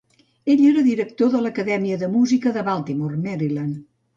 Ell era el director de l"Acadèmia de Música a Baltimore, Maryland.